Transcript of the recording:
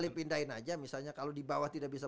lip pindahin aja misalnya kalau di bawah tidak bisa